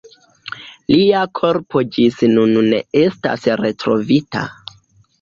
Lia korpo ĝis nun ne estas retrovita.